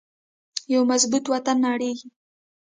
یو مضبوط وطن نړیږي